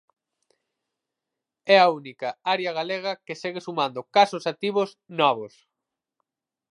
É a única área galega que segue sumando casos activos novos.